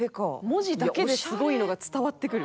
文字だけですごいのが伝わってくる。